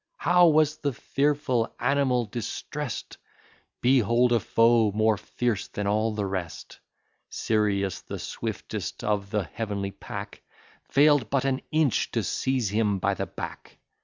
How was the fearful animal distrest! Behold a foe more fierce than all the rest: Sirius, the swiftest of the heavenly pack, Fail'd but an inch to seize him by the back.